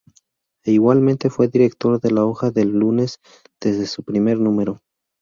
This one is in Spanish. E igualmente fue director de la Hoja del Lunes desde su primer número.